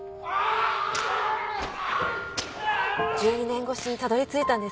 １２年越しにたどり着いたんですね